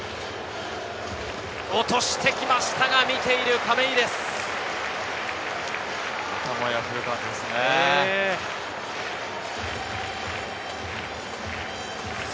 落としてきましたが見ている亀井です。